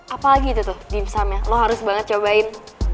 apa lagi itu tuh dimsumnya lo harus banget cobain